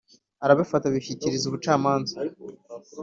arabifata, abishyikiriza ubucamanza